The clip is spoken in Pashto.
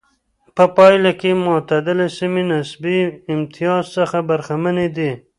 په پایله کې معتدله سیمې نسبي امتیاز څخه برخمنې دي.